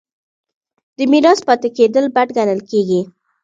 د میرات پاتې کیدل بد ګڼل کیږي.